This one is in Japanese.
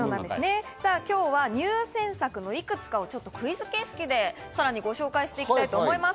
今日は入選作のいくつかをクイズ形式でさらにご紹介していきたいと思います。